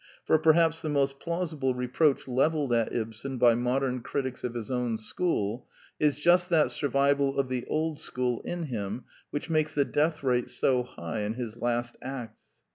For perhaps the most plausible reproach The Technical Novelty 227 levelled at Ibsen by modern critics of his own school is just that survival of the old school in him which makes the death rate so high in his last acts.